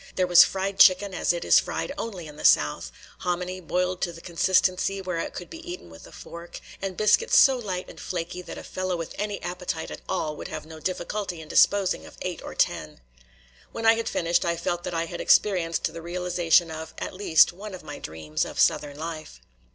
There was fried chicken, as it is fried only in the South, hominy boiled to the consistency where it could be eaten with a fork, and biscuits so light and flaky that a fellow with any appetite at all would have no difficulty in disposing of eight or ten. When I had finished, I felt that I had experienced the realization of, at least, one of my dreams of Southern life.